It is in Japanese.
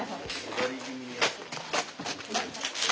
粘り気味にやって。